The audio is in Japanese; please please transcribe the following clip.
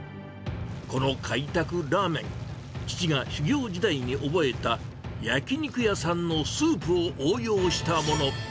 この開拓ラーメン、父が修業時代に覚えた焼き肉屋さんのスープを応用したもの。